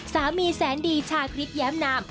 สามีแสนดีชาคริสแย้มนาม